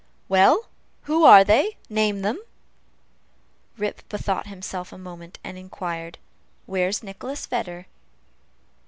"Well who are they? name them." Rip bethought himself a moment, and inquired, Where's Nicholas Vedder?